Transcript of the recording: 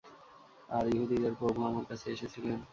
আর ইহুদীদের প্রভু আমার কাছে এসেছিলেন।